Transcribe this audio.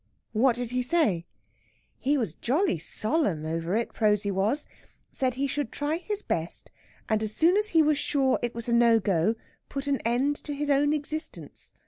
"What did he say?" "He was jolly solemn over it, Prosy was. Said he should try his best, and as soon as he was sure it was no go, put an end to his own existence.